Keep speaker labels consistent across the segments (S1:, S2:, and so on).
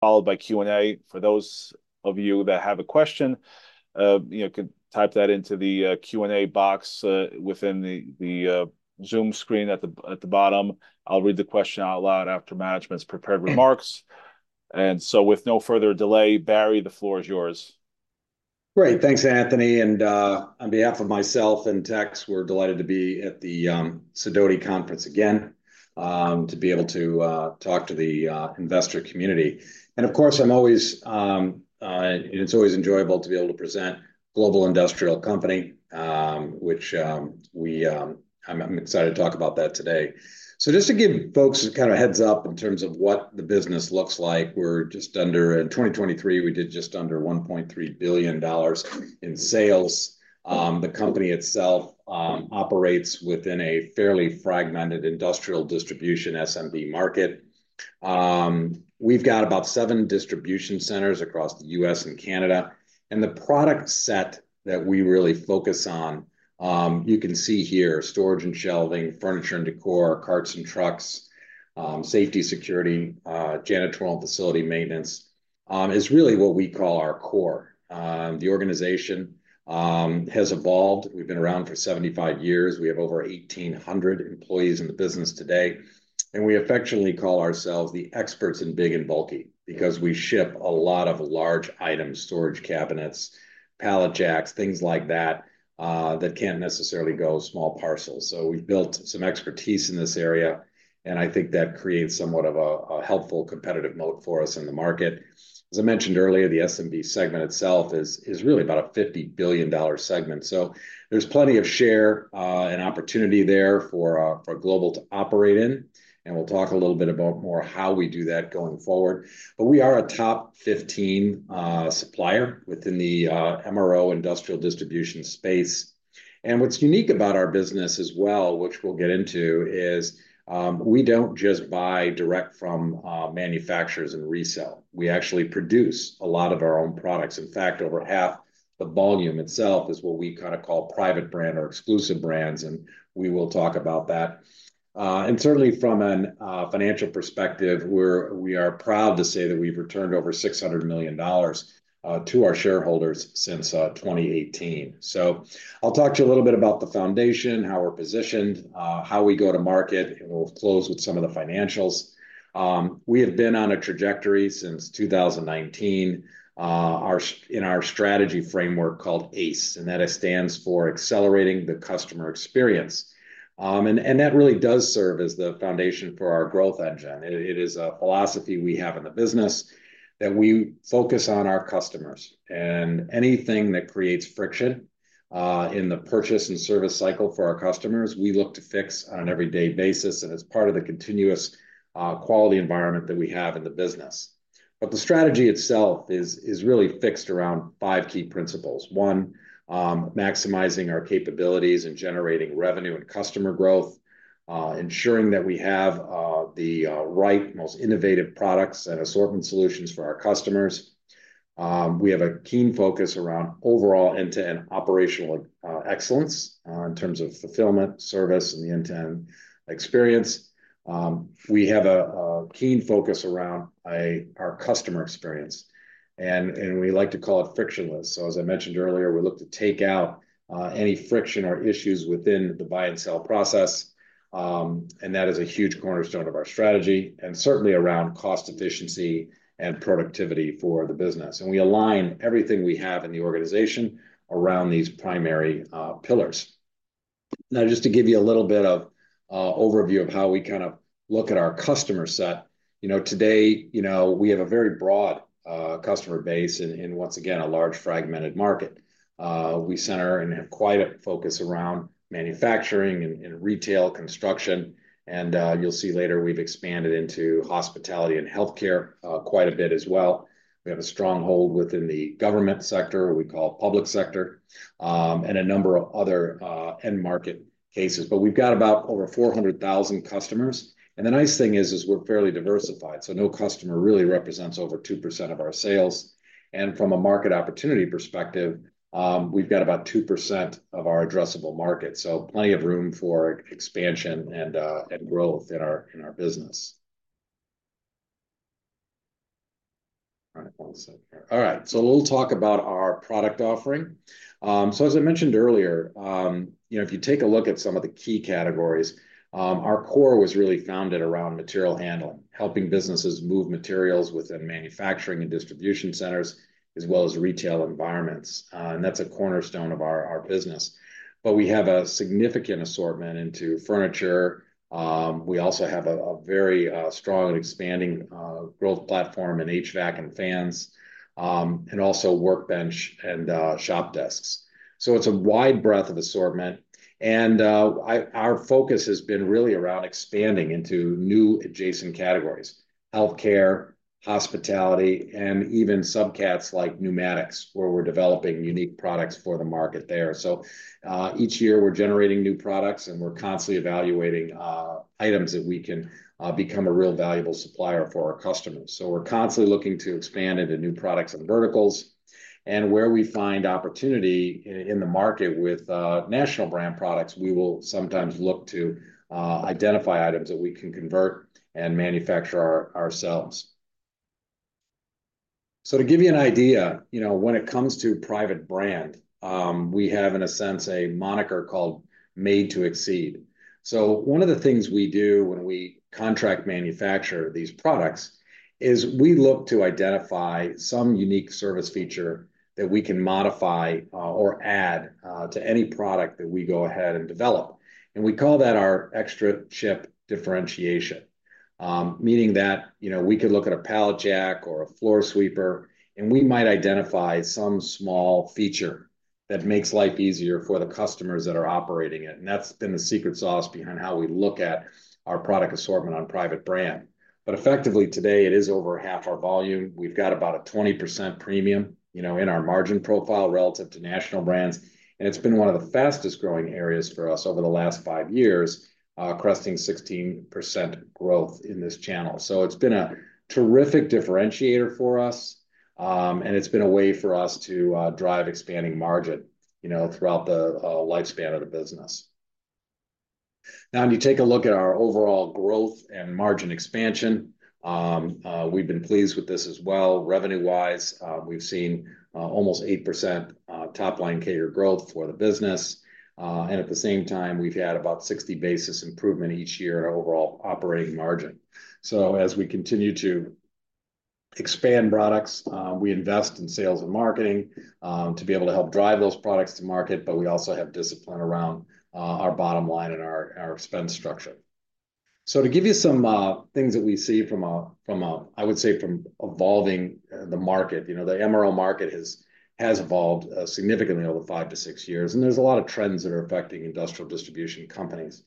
S1: Followed by Q&A. For those of you that have a question, you know, could type that into the Q&A box within the Zoom screen at the bottom. I'll read the question out loud after management's prepared remarks. And so with no further delay, Barry, the floor is yours.
S2: Great. Thanks, Anthony, and on behalf of myself and Tex, we're delighted to be at the Sidoti conference again. To be able to talk to the investor community. And of course, it's always enjoyable to be able to present Global Industrial Company, which I'm excited to talk about today. So just to give folks a kind of heads-up in terms of what the business looks like, in 2023 we did just under $1.3 billion in sales. The company itself operates within a fairly fragmented industrial distribution SMB market. We've got about 7 distribution centers across the U.S. and Canada, and the product set that we really focus on, you can see here, storage and shelving, furniture and decor, carts and trucks, safety, security, janitorial and facility maintenance, is really what we call our core. The organization has evolved. We've been around for 75 years. We have over 1,800 employees in the business today, and we affectionately call ourselves the Experts in Big and Bulky because we ship a lot of large items, storage cabinets, pallet jacks, things like that, that can't necessarily go small parcels. So we've built some expertise in this area, and I think that creates somewhat of a helpful competitive moat for us in the market. As I mentioned earlier, the SMB segment itself is really about a $50 billion segment. So there's plenty of share and opportunity there for our, for Global to operate in, and we'll talk a little bit about more how we do that going forward. But we are a top 15 supplier within the MRO industrial distribution space and what's unique about our business as well, which we'll get into, is we don't just buy direct from manufacturers and resell. We actually produce a lot of our own products. In fact, over half the volume itself is what we kind of call private brand or exclusive brands, and we will talk about that. And certainly from an financial perspective, we are proud to say that we've returned over $600 million to our shareholders since 2018. So I'll talk to you a little bit about the foundation, how we're positioned, how we go to market, and we'll close with some of the financials. We have been on a trajectory since 2019, in our strategy framework called ACE, and that stands for Accelerating the Customer Experience. And that really does serve as the foundation for our growth engine. It is a philosophy we have in the business, that we focus on our customers. And anything that creates friction in the purchase and service cycle for our customers, we look to fix on an everyday basis, and it's part of the continuous quality environment that we have in the business. But the strategy itself is really fixed around five key principles. One, maximizing our capabilities and generating revenue and customer growth. Ensuring that we have the right, most innovative products and assortment solutions for our customers. We have a keen focus around overall end-to-end operational excellence in terms of fulfillment, service, and the end-to-end experience. We have a keen focus around our customer experience, and we like to call it frictionless. So as I mentioned earlier, we look to take out any friction or issues within the buy and sell process, and that is a huge cornerstone of our strategy, and certainly around cost efficiency and productivity for the business. And we align everything we have in the organization around these primary pillars. Now, just to give you a little bit of overview of how we kind of look at our customer set, you know, today, you know, we have a very broad customer base in once again a large, fragmented market. We center and have quite a focus around manufacturing and retail construction, and you'll see later we've expanded into hospitality and healthcare quite a bit as well. We have a stronghold within the government sector, we call public sector, and a number of other end market cases. But we've got about over 400,000 customers, and the nice thing is we're fairly diversified, so no customer really represents over 2% of our sales. From a market opportunity perspective, we've got about 2% of our addressable market, so plenty of room for expansion and growth in our business. All right, one second. All right, so a little talk about our product offering. As I mentioned earlier, you know, if you take a look at some of the key categories, our core was really founded around material handling, helping businesses move materials within manufacturing and distribution centers, as well as retail environments, and that's a cornerstone of our business. But we have a significant assortment into furniture. We also have a very strong and expanding growth platform in HVAC and fans, and also workbench and shop desks. So it's a wide breadth of assortment, and our focus has been really around expanding into new adjacent categories: healthcare, hospitality, and even subcats like pneumatics, where we're developing unique products for the market there. So each year we're generating new products, and we're constantly evaluating items that we can become a real valuable supplier for our customers. So we're constantly looking to expand into new products and verticals, and where we find opportunity in the market with national brand products, we will sometimes look to identify items that we can convert and manufacture ourselves. So to give you an idea, you know, when it comes to private brand, we have, in a sense, a moniker called Made to Exceed. So one of the things we do when we contract manufacture these products is we look to identify some unique service feature that we can modify, or add, to any product that we go ahead and develop, and we call that our extra chip differentiation. Meaning that, you know, we could look at a pallet jack or a floor sweeper, and we might identify some small feature that makes life easier for the customers that are operating it, and that's been the secret sauce behind how we look at our product assortment on private brand. But effectively, today, it is over half our volume. We've got about a 20% premium, you know, in our margin profile relative to national brands, and it's been one of the fastest-growing areas for us over the last 5 years, cresting 16% growth in this channel. So it's been a terrific differentiator for us, and it's been a way for us to drive expanding margin, you know, throughout the lifespan of the business. Now, when you take a look at our overall growth and margin expansion, we've been pleased with this as well. Revenue-wise, we've seen almost 8% top-line CAGR growth for the business. At the same time, we've had about 60 basis points improvement each year in our overall operating margin. So as we continue to expand products, we invest in sales and marketing to be able to help drive those products to market, but we also have discipline around our bottom line and our spend structure. So to give you some things that we see from a, I would say, from evolving the market. You know, the MRO market has evolved significantly over 5-6 years, and there's a lot of trends that are affecting industrial distribution companies.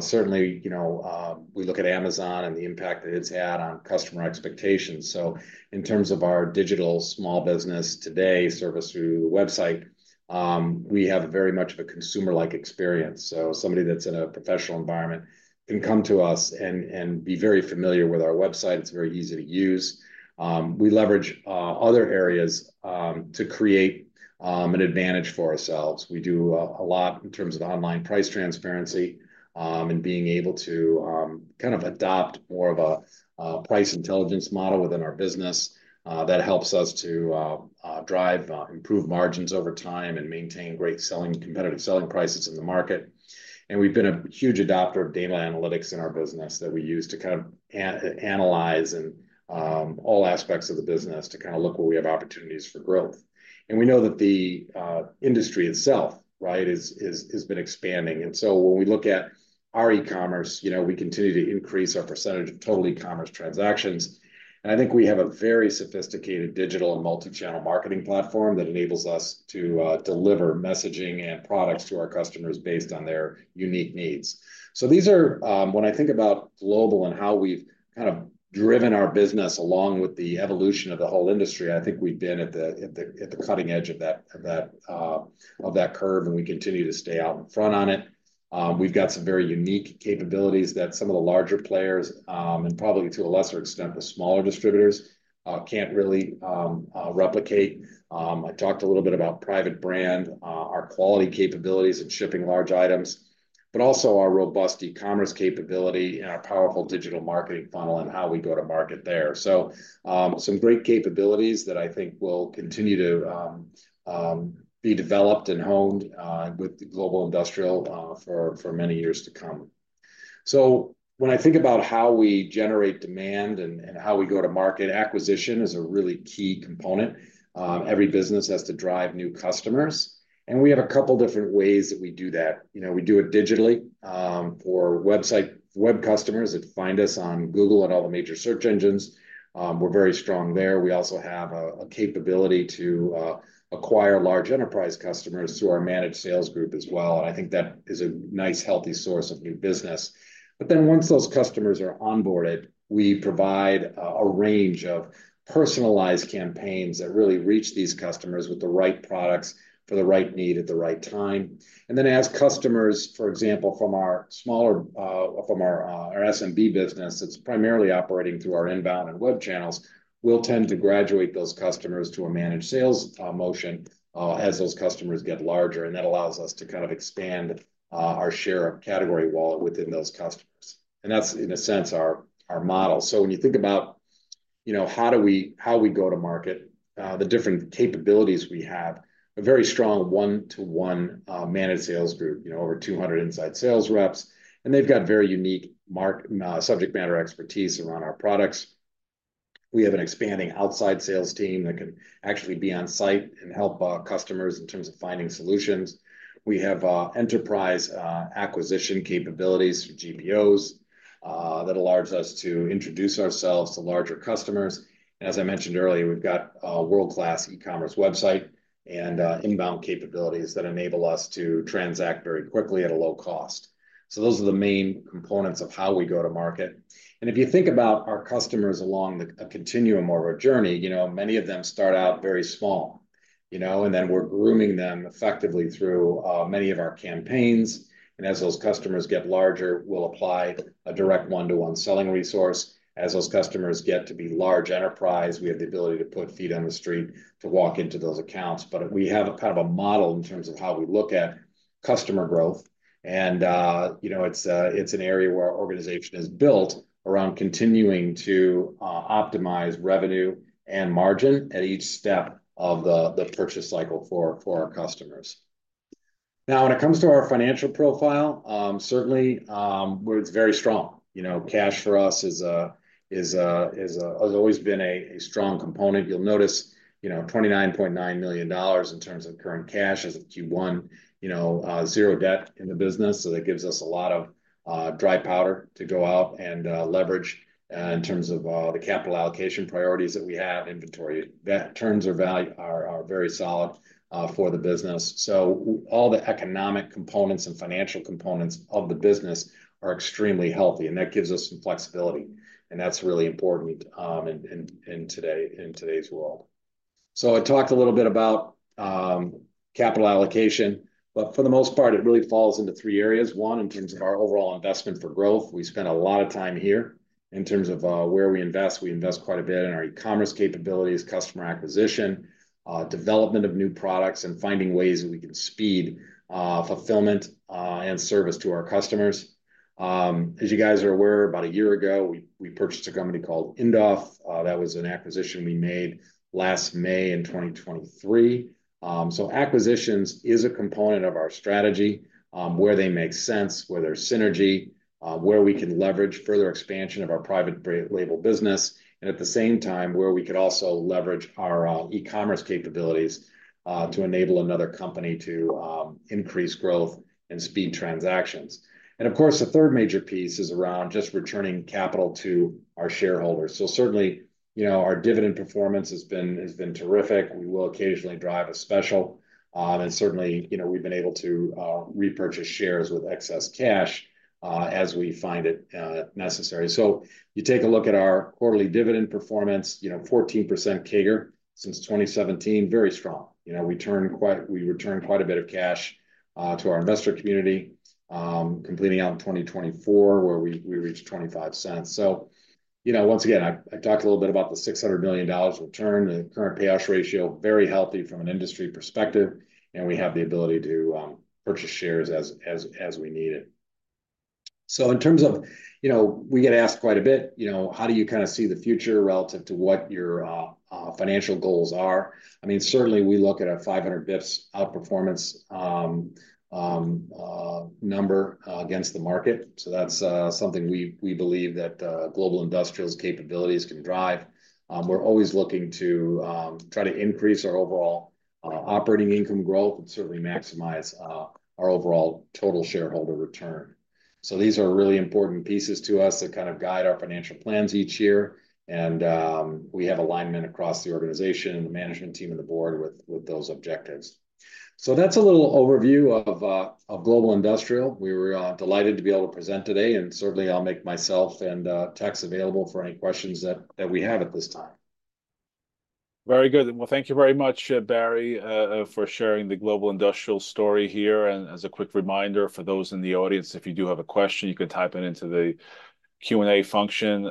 S2: Certainly, you know, we look at Amazon and the impact that it's had on customer expectations. So in terms of our digital small business today, service through the website, we have very much of a consumer-like experience. So somebody that's in a professional environment can come to us and be very familiar with our website. It's very easy to use. We leverage other areas to create an advantage for ourselves. We do a lot in terms of online price transparency, and being able to kind of adopt more of a price intelligence model within our business that helps us to drive improve margins over time and maintain great selling, competitive selling prices in the market. We've been a huge adopter of data analytics in our business that we use to kind of analyze and all aspects of the business to kind of look where we have opportunities for growth. We know that the industry itself, right, has been expanding. And so when we look at our e-commerce, you know, we continue to increase our percentage of total e-commerce transactions, and I think we have a very sophisticated digital and multi-channel marketing platform that enables us to deliver messaging and products to our customers based on their unique needs. When I think about global and how we've kind of driven our business along with the evolution of the whole industry, I think we've been at the cutting edge of that curve, and we continue to stay out in front on it. We've got some very unique capabilities that some of the larger players and probably to a lesser extent, the smaller distributors can't really replicate. I talked a little bit about private brand, our quality capabilities and shipping large items, but also our robust e-commerce capability and our powerful digital marketing funnel and how we go to market there. So, some great capabilities that I think will continue to be developed and honed with the Global Industrial for many years to come. So when I think about how we generate demand and how we go to market, acquisition is a really key component. Every business has to drive new customers, and we have a couple different ways that we do that. You know, we do it digitally for website web customers that find us on Google and all the major search engines. We're very strong there. We also have a capability to acquire large enterprise customers through our managed sales group as well, and I think that is a nice, healthy source of new business. But then, once those customers are onboarded, we provide a range of personalized campaigns that really reach these customers with the right products, for the right need at the right time. And then, as customers, for example, from our smaller SMB business, that's primarily operating through our inbound and web channels, we'll tend to graduate those customers to a managed sales motion as those customers get larger, and that allows us to kind of expand our share of category wallet within those customers. And that's, in a sense, our model. So when you think about, you know, how we go to market, the different capabilities we have, a very strong one-to-one managed sales group. You know, over 200 inside sales reps, and they've got very unique market subject matter expertise around our products. We have an expanding outside sales team that can actually be on site and help customers in terms of finding solutions. We have enterprise acquisition capabilities for GPOs that allows us to introduce ourselves to larger customers. And as I mentioned earlier, we've got a world-class e-commerce website and inbound capabilities that enable us to transact very quickly at a low cost. So those are the main components of how we go to market. If you think about our customers along a continuum or a journey, you know, many of them start out very small, you know, and then we're grooming them effectively through many of our campaigns, and as those customers get larger, we'll apply a direct one-to-one selling resource. As those customers get to be large enterprise, we have the ability to put feet on the street to walk into those accounts. We have kind of a model in terms of how we look at customer growth. You know, it's an area where our organization is built around continuing to optimize revenue and margin at each step of the purchase cycle for our customers. Now, when it comes to our financial profile, certainly, well, it's very strong. You know, cash for us is has always been a strong component. You'll notice, you know, $29.9 million in terms of current cash as of Q1, you know, 0 debt in the business, so that gives us a lot of dry powder to go out and leverage in terms of the capital allocation priorities that we have, inventory that in terms of value are very solid for the business. So all the economic components and financial components of the business are extremely healthy, and that gives us some flexibility, and that's really important in today's world. So I talked a little bit about capital allocation, but for the most part, it really falls into three areas. One, in terms of our overall investment for growth. We spend a lot of time here in terms of where we invest. We invest quite a bit in our e-commerce capabilities, customer acquisition, development of new products, and finding ways that we can speed fulfillment and service to our customers. As you guys are aware, about a year ago, we purchased a company called Indoff. That was an acquisition we made last May in 2023. So acquisitions is a component of our strategy, where they make sense, where there's synergy, where we can leverage further expansion of our private brand label business, and at the same time, where we could also leverage our e-commerce capabilities to enable another company to increase growth and speed transactions. And of course, the third major piece is around just returning capital to our shareholders. So certainly, you know, our dividend performance has been terrific. We will occasionally declare a special, and certainly, you know, we've been able to repurchase shares with excess cash, as we find it necessary. So you take a look at our quarterly dividend performance, you know, 14% CAGR since 2017, very strong. You know, we return quite a bit of cash to our investor community, completing out in 2024, where we reached $0.25. So, you know, once again, I've talked a little bit about the $600 million return, the current payout ratio, very healthy from an industry perspective, and we have the ability to purchase shares as we need it. So in terms of... You know, we get asked quite a bit, you know, "How do you kind of see the future relative to what your, financial goals are?" I mean, certainly, we look at a 500 basis points outperformance, number, against the market, so that's, something we, we believe that, Global Industrial's capabilities can drive. We're always looking to, try to increase our overall, operating income growth and certainly maximize, our overall total shareholder return. So these are really important pieces to us that kind of guide our financial plans each year, and, we have alignment across the organization, the management team, and the board with, with those objectives. So that's a little overview of, of Global Industrial. We were delighted to be able to present today, and certainly, I'll make myself and Tex available for any questions that we have at this time.
S1: Very good. Well, thank you very much, Barry, for sharing the Global Industrial story here. As a quick reminder for those in the audience, if you do have a question, you can type it into the Q&A function.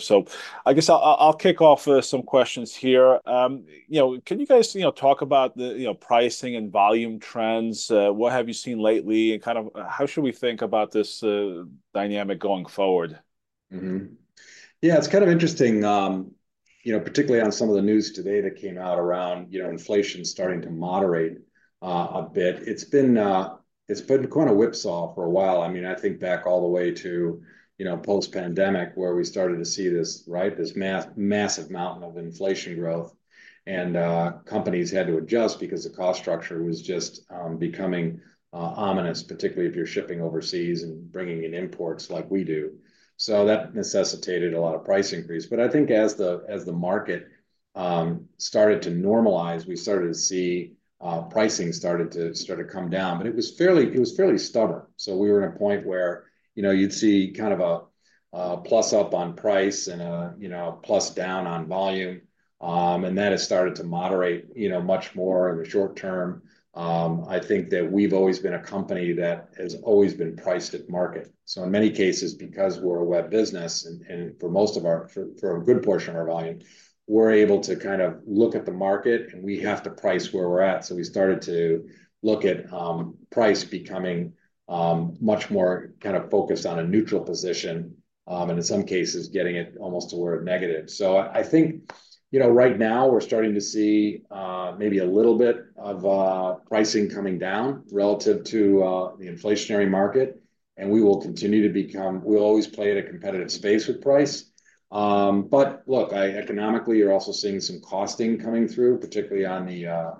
S1: So I guess I'll kick off some questions here. You know, can you guys, you know, talk about the you know pricing and volume trends? What have you seen lately, and kind of, how should we think about this dynamic going forward?
S2: Mm-hmm. Yeah, it's kind of interesting, you know, particularly on some of the news today that came out around, you know, inflation starting to moderate a bit. It's been kind of whipsaw for a while. I mean, I think back all the way to, you know, post-pandemic, where we started to see this, right, this massive mountain of inflation growth. And companies had to adjust because the cost structure was just becoming ominous, particularly if you're shipping overseas and bringing in imports like we do. So that necessitated a lot of price increase. But I think as the market started to normalize, we started to see pricing started to come down, but it was fairly stubborn. So we were at a point where, you know, you'd see kind of a plus-up on price and a, you know, a plus down on volume, and that has started to moderate, you know, much more in the short term. I think that we've always been a company that has always been priced at market. So in many cases, because we're a web business and for most of our for a good portion of our volume, we're able to kind of look at the market, and we have to price where we're at. So we started to look at price becoming much more kind of focused on a neutral position, and in some cases, getting it almost to where it negative. So I think, you know, right now, we're starting to see maybe a little bit of pricing coming down relative to the inflationary market, and we'll always play at a competitive space with price. But look, economically, you're also seeing some costing coming through, particularly on the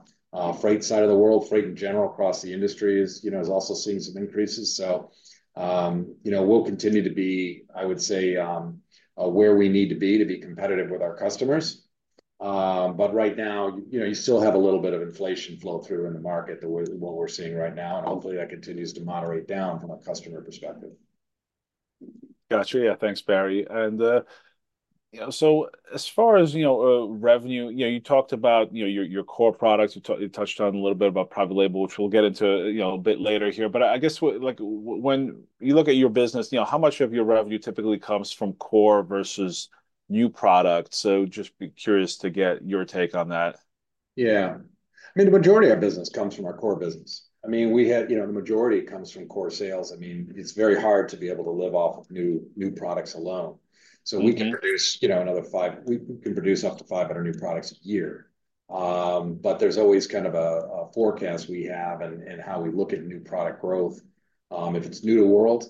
S2: freight side of the world. Freight in general across the industry is, you know, is also seeing some increases. So, you know, we'll continue to be, I would say, where we need to be to be competitive with our customers. But right now, you know, you still have a little bit of inflation flow through in the market, what we're seeing right now, and hopefully, that continues to moderate down from a customer perspective.
S1: Gotcha. Yeah, thanks, Barry. And, you know, so as far as, you know, revenue, you know, you talked about, you know, your, your core products. You touched on a little bit about private label, which we'll get into, you know, a bit later here. But I guess, like, when you look at your business, you know, how much of your revenue typically comes from core versus new product, so just be curious to get your take on that.
S2: Yeah. I mean, the majority of our business comes from our core business. I mean, we had, you know, the majority comes from core sales. I mean, it's very hard to be able to live off of new, new products alone.
S1: Mm-hmm.
S2: So we can produce, you know, we can produce up to 500 new products a year. But there's always kind of a forecast we have and how we look at new product growth. If it's new to world,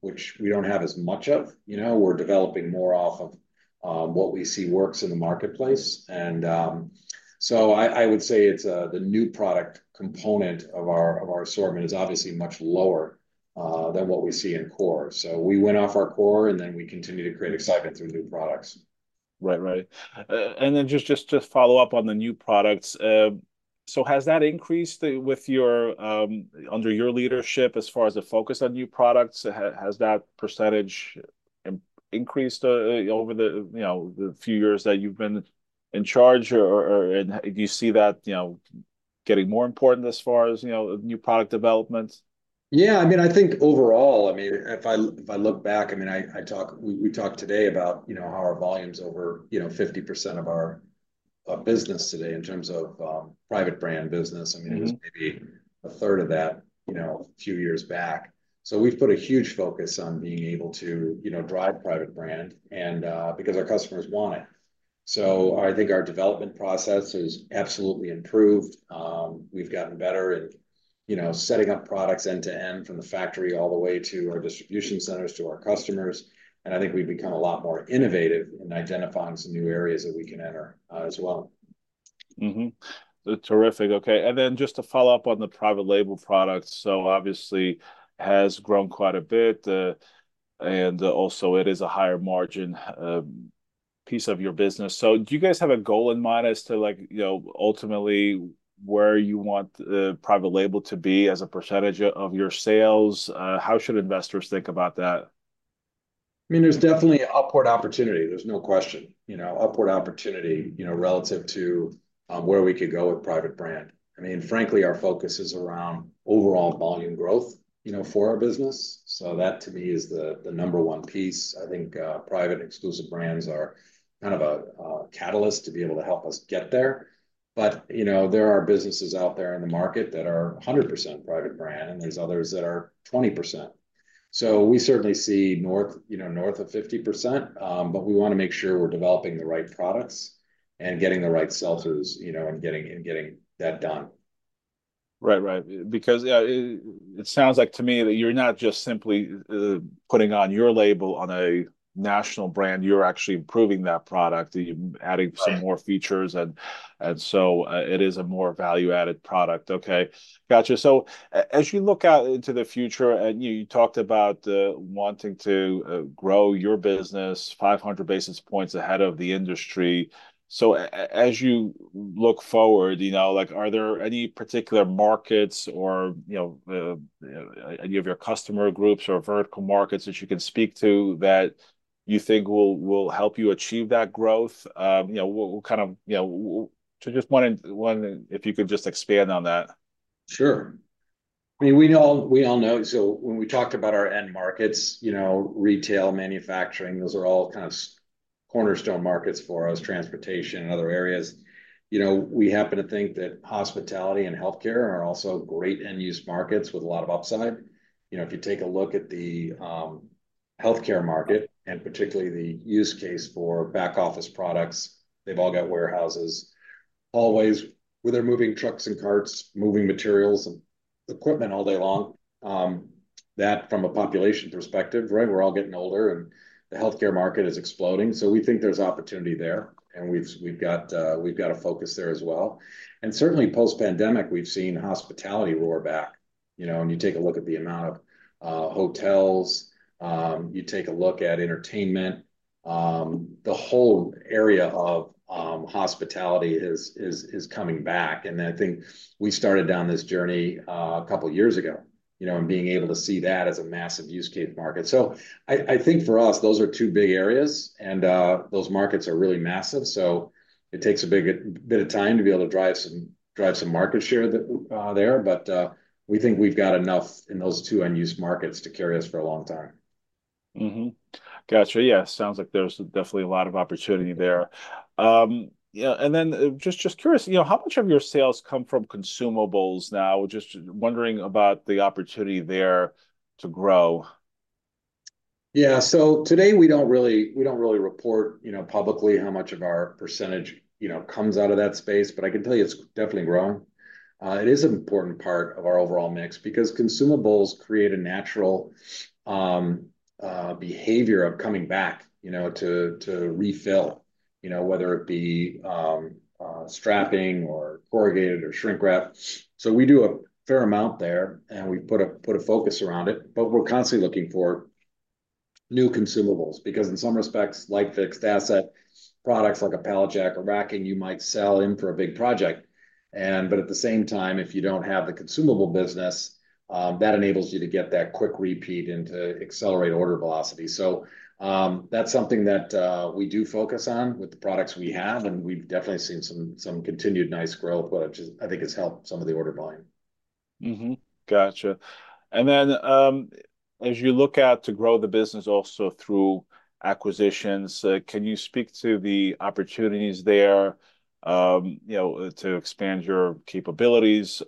S2: which we don't have as much of, you know, we're developing more off of what we see works in the marketplace. And so I would say it's the new product component of our assortment is obviously much lower than what we see in core. So we went off our core, and then we continue to create excitement through new products.
S1: Right. Right. And then just, just to follow up on the new products, so has that increased with your, under your leadership as far as the focus on new products? Has, has that percentage increased, over the, you know, the few years that you've been in charge or, or, and do you see that, you know, getting more important as far as, you know, new product development?
S2: Yeah, I mean, I think overall, I mean, if I look back, I mean, we talked today about, you know, how our volume's over 50% of our business today in terms of private brand business.
S1: Mm-hmm.
S2: I mean, it was maybe a third of that, you know, a few years back. So we've put a huge focus on being able to, you know, drive private brand, and because our customers want it. So I think our development process has absolutely improved. We've gotten better at, you know, setting up products end to end from the factory all the way to our distribution centers, to our customers, and I think we've become a lot more innovative in identifying some new areas that we can enter, as well.
S1: Mm-hmm. Terrific. Okay, and then just to follow up on the private label products, so obviously has grown quite a bit, and also it is a higher margin piece of your business. So do you guys have a goal in mind as to like, you know, ultimately where you want the private label to be as a percentage of your sales? How should investors think about that?
S2: I mean, there's definitely upward opportunity, there's no question, you know, upward opportunity, you know, relative to where we could go with private brand. I mean, frankly, our focus is around overall volume growth, you know, for our business. So that to me is the number one piece. I think private exclusive brands are kind of a catalyst to be able to help us get there. But, you know, there are businesses out there in the market that are 100% private brand, and there's others that are 20%. So we certainly see north, you know, north of 50%, but we want to make sure we're developing the right products and getting the right sellers, you know, and getting that done.
S1: Right. Right. Because, yeah, it sounds like to me that you're not just simply, putting on your label on a national brand, you're actually improving that product. You're adding-
S2: Right...
S1: some more features, and, and so, it is a more value-added product. Okay. Gotcha. So as you look out into the future, and you talked about wanting to grow your business 500 basis points ahead of the industry. So as you look forward, you know, like, are there any particular markets or, you know, any of your customer groups or vertical markets that you can speak to that you think will help you achieve that growth? You know, kind of, you know, so just wanting—one, if you could just expand on that.
S2: Sure. I mean, we know, we all know—so when we talked about our end markets, you know, retail, manufacturing, those are all kind of cornerstone markets for us, transportation and other areas. You know, we happen to think that hospitality and healthcare are also great end-use markets with a lot of upside. You know, if you take a look at the healthcare market, and particularly the use case for back office products, they've all got warehouses, always where they're moving trucks and carts, moving materials and equipment all day long. That from a population perspective, right, we're all getting older, and the healthcare market is exploding, so we think there's opportunity there, and we've got a focus there as well. And certainly post-pandemic, we've seen hospitality roar back. You know, when you take a look at the amount of hotels, you take a look at entertainment, the whole area of hospitality is coming back. And I think we started down this journey a couple of years ago, you know, and being able to see that as a massive use case market. So I think for us, those are two big areas, and those markets are really massive, so it takes a big bit of time to be able to drive some market share there, but we think we've got enough in those two unused markets to carry us for a long time.
S1: Mm-hmm. Gotcha. Yeah, sounds like there's definitely a lot of opportunity there. Yeah, and then just curious, you know, how much of your sales come from consumables now? Just wondering about the opportunity there to grow.
S2: Yeah. So today we don't really, we don't really report, you know, publicly how much of our percentage, you know, comes out of that space, but I can tell you it's definitely growing. It is an important part of our overall mix because consumables create a natural behavior of coming back, you know, to refill, you know, whether it be strapping or corrugated or shrink wrap. So we do a fair amount there, and we put a focus around it, but we're constantly looking for new consumables because in some respects, like fixed asset products like a pallet jack or racking, you might sell in for a big project, but at the same time, if you don't have the consumable business, that enables you to get that quick repeat and to accelerate order velocity. That's something that we do focus on with the products we have, and we've definitely seen some continued nice growth, which I think has helped some of the order volume....
S1: Mm-hmm. Gotcha. And then, as you look out to grow the business also through acquisitions, can you speak to the opportunities there, you know, to expand your capabilities?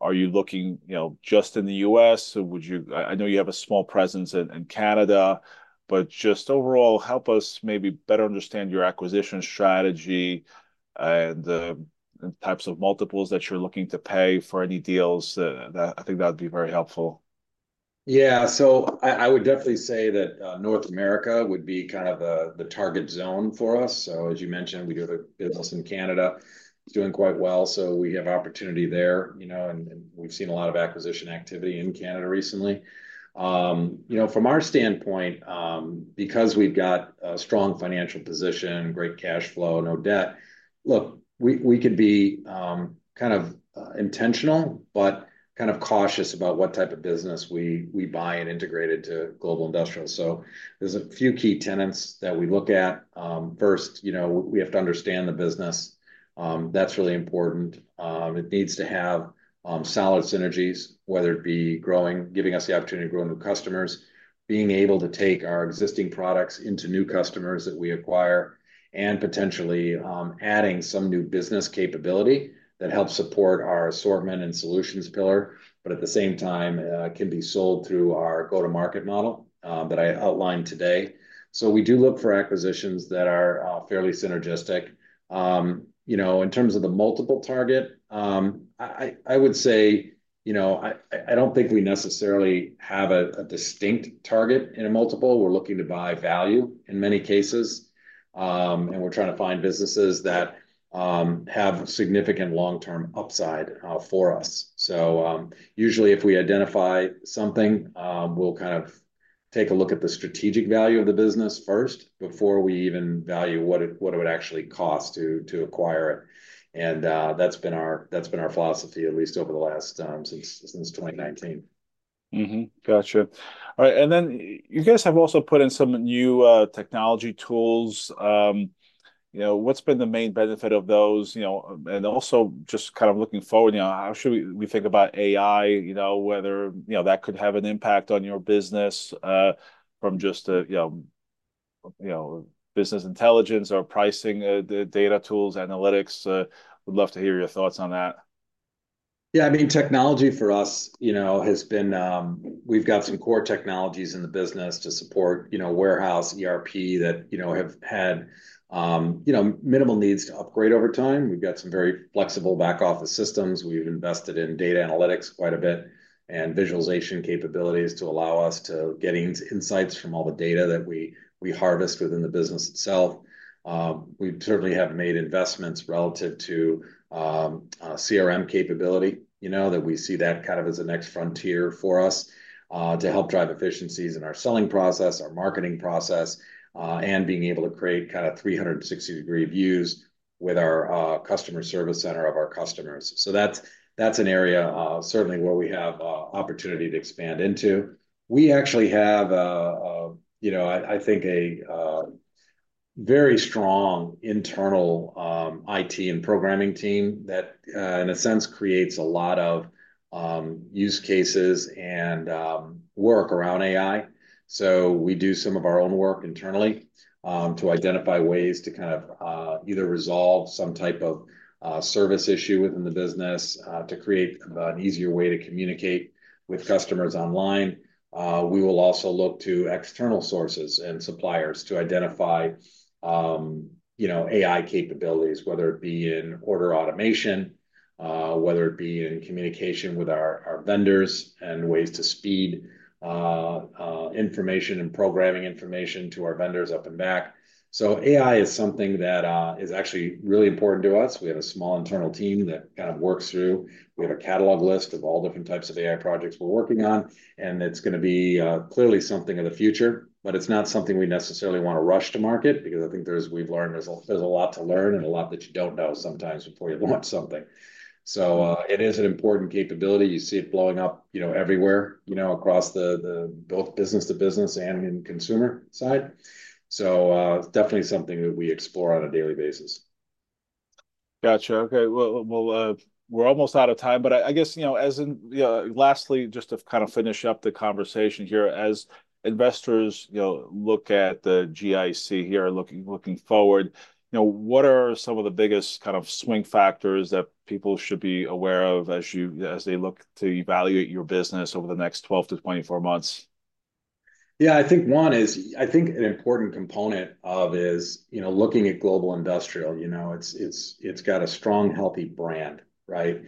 S1: Are you looking, you know, just in the U.S. or would you, I know you have a small presence in Canada, but just overall, help us maybe better understand your acquisition strategy, and types of multiples that you're looking to pay for any deals, that I think that would be very helpful.
S2: Yeah. So I would definitely say that North America would be kind of the target zone for us. So as you mentioned, we do have a business in Canada. It's doing quite well, so we have opportunity there, you know, and we've seen a lot of acquisition activity in Canada recently. You know, from our standpoint, because we've got a strong financial position, great cash flow, no debt, look, we could be kind of intentional, but kind of cautious about what type of business we buy and integrate it to Global Industrial. So there's a few key tenets that we look at. First, you know, we have to understand the business. That's really important. It needs to have solid synergies, whether it be growing, giving us the opportunity to grow new customers, being able to take our existing products into new customers that we acquire, and potentially adding some new business capability that helps support our assortment and solutions pillar, but at the same time can be sold through our go-to-market model that I outlined today. So we do look for acquisitions that are fairly synergistic. You know, in terms of the multiple target, I would say, you know, I don't think we necessarily have a distinct target in a multiple. We're looking to buy value in many cases, and we're trying to find businesses that have significant long-term upside for us. Usually, if we identify something, we'll kind of take a look at the strategic value of the business first before we even value what it would actually cost to acquire it, and that's been our philosophy, at least since 2019.
S1: Mm-hmm. Gotcha. All right, and then you guys have also put in some new technology tools. You know, what's been the main benefit of those, you know, and also just kind of looking forward, you know, how should we think about AI, you know, whether, you know, that could have an impact on your business from just a, you know, business intelligence or pricing, the data tools, analytics? Would love to hear your thoughts on that.
S2: Yeah, I mean, technology for us, you know, has been. We've got some core technologies in the business to support, you know, warehouse, ERP, that, you know, have had, you know, minimal needs to upgrade over time. We've got some very flexible back office systems. We've invested in data analytics quite a bit, and visualization capabilities to allow us to get insights from all the data that we harvest within the business itself. We certainly have made investments relative to CRM capability, you know, that we see that kind of as a next frontier for us, to help drive efficiencies in our selling process, our marketing process, and being able to create kind of 360-degree views with our customer service center of our customers. So that's an area certainly where we have opportunity to expand into. We actually have, you know, I think a very strong internal IT and programming team that in a sense creates a lot of use cases and work around AI. So we do some of our own work internally to identify ways to kind of either resolve some type of service issue within the business to create kind of an easier way to communicate with customers online. We will also look to external sources and suppliers to identify, you know, AI capabilities, whether it be in order automation, whether it be in communication with our vendors, and ways to speed information and programming information to our vendors up and back. So AI is something that is actually really important to us. We have a small internal team that kind of works through. We have a catalog list of all different types of AI projects we're working on, and it's gonna be clearly something of the future, but it's not something we necessarily want to rush to market because I think there's—we've learned there's a lot to learn and a lot that you don't know sometimes before you launch something. So it is an important capability. You see it blowing up, you know, everywhere, you know, across the both business to business and in consumer side. So it's definitely something that we explore on a daily basis.
S1: Gotcha. Okay, well, well, well, we're almost out of time, but I guess, you know, lastly, just to kind of finish up the conversation here, as investors, you know, look at the GIC here, looking forward, you know, what are some of the biggest kind of swing factors that people should be aware of as you, as they look to evaluate your business over the next 12-24 months?
S2: Yeah, I think an important component is, you know, looking at Global Industrial. You know, it's got a strong, healthy brand, right?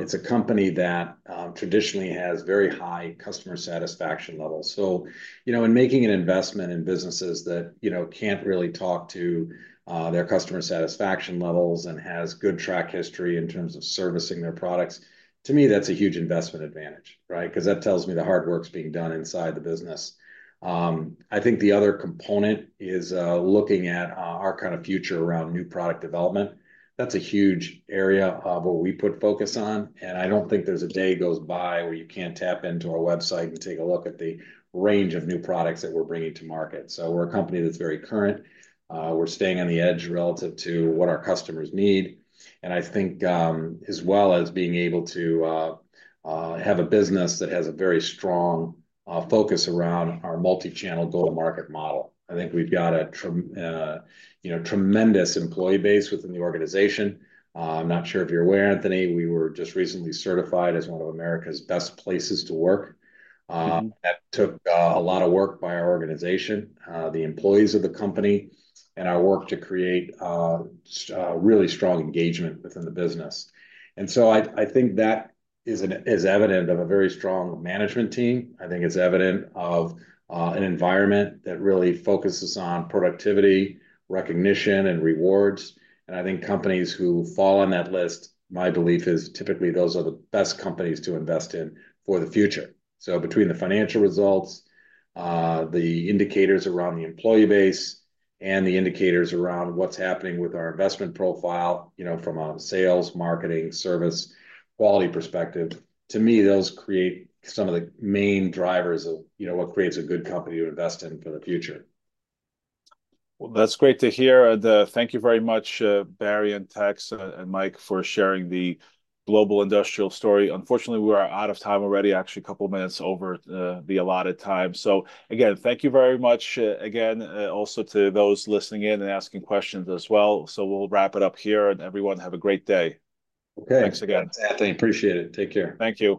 S2: It's a company that traditionally has very high customer satisfaction levels. So, you know, in making an investment in businesses that, you know, can't really talk to their customer satisfaction levels and has good track history in terms of servicing their products, to me, that's a huge investment advantage, right? 'Cause that tells me the hard work's being done inside the business. I think the other component is looking at our kind of future around new product development. That's a huge area of what we put focus on, and I don't think there's a day goes by where you can't tap into our website and take a look at the range of new products that we're bringing to market. So we're a company that's very current. We're staying on the edge relative to what our customers need, and I think, as well as being able to, have a business that has a very strong, focus around our multi-channel go-to-market model. I think we've got a, you know, tremendous employee base within the organization. I'm not sure if you're aware, Anthony, we were just recently certified as one of America's best places to work. That took a lot of work by our organization, the employees of the company, and our work to create really strong engagement within the business. So I think that is evident of a very strong management team. I think it's evident of an environment that really focuses on productivity, recognition, and rewards, and I think companies who fall on that list, my belief is typically those are the best companies to invest in for the future. So between the financial results, the indicators around the employee base, and the indicators around what's happening with our investment profile, you know, from a sales, marketing, service, quality perspective, to me, those create some of the main drivers of, you know, what creates a good company to invest in for the future.
S1: Well, that's great to hear. Thank you very much, Barry, and Tex, and Mike, for sharing the Global Industrial story. Unfortunately, we are out of time already. Actually, a couple of minutes over, the allotted time. So again, thank you very much, again, also to those listening in and asking questions as well. So we'll wrap it up here, and everyone, have a great day.
S2: Okay.
S1: Thanks again.
S2: Anthony, appreciate it. Take care.
S1: Thank you.